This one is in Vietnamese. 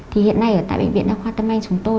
thì hiện nay ở tại bệnh viện đa khoa tâm anh chúng tôi